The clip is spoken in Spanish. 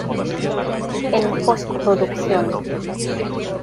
En "Postproducción.